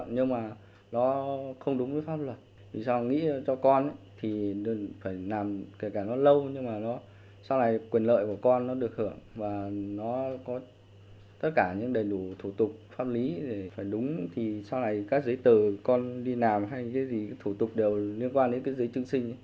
nhưng mà nó không đúng với pháp luật vì sao nghĩ cho con thì phải làm kể cả nó lâu nhưng mà nó sau này quyền lợi của con nó được hưởng và nó có tất cả những đầy đủ thủ tục pháp lý phải đúng thì sau này các giấy tờ con đi làm hay cái gì thủ tục đều liên quan đến cái giấy chứng sinh